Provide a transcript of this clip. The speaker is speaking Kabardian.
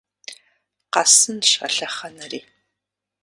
Къэсынщ а лъэхъэнэри!